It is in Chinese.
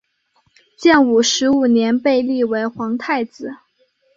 建武十五年被立为皇太子。